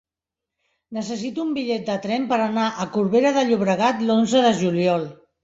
Necessito un bitllet de tren per anar a Corbera de Llobregat l'onze de juliol.